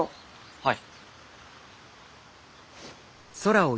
はい。